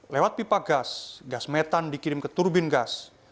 lewat pipa gas gas metan dikirim ke turbin gas